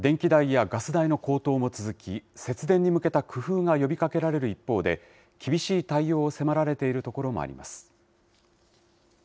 電気代やガス代の高騰も続き、節電に向けた工夫が呼びかけられる一方で、厳しい対応を迫られているところもあります。